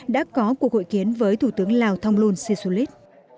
đã có cuộc hội kiến với thủ tướng lào thông luân sisulit